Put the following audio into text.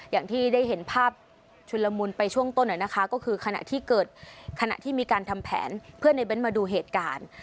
อย่างที่ได้เห็นภาพชุนละมุนไปช่วงต้นหน่อยนะคะก็คือขณะที่เกิดขณะที่มีการทำแผนเพื่อนในเน้นมาดูเหตุการณ์